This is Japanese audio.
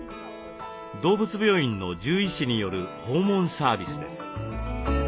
動物病院の獣医師による訪問サービスです。